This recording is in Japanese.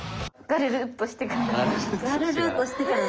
ガルルッとしてから。